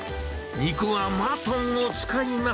肉はマトンを使います。